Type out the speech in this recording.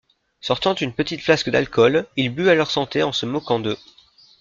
Sortant une petite flasque d'alcool, il but à leur santé en se moquant d'eux.